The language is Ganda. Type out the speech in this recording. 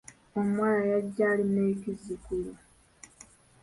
Omuwala yajja alina ekizzukulu.